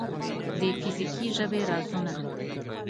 د فزیکي ژبې رازونه